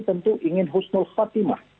tentu ingin husnul khatimah